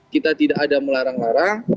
kita tidak ada melarang larang